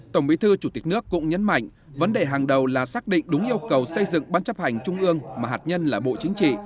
tổng bí thư chủ tịch nước cũng nhấn mạnh vấn đề hàng đầu là xác định đúng yêu cầu xây dựng ban chấp hành trung ương mà hạt nhân là bộ chính trị